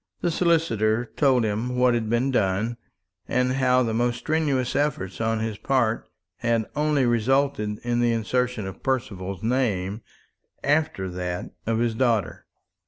The solicitor told him what had been done, and how the most strenuous efforts on his part had only resulted in the insertion of Percival's name after that of his daughter.